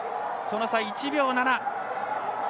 その差は１秒７。